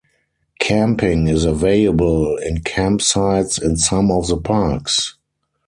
Camping is available in campsites in some of the parks.